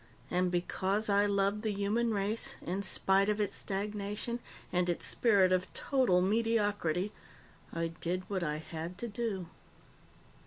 And because I loved the human race, in spite of its stagnation and its spirit of total mediocrity, I did what I had to do."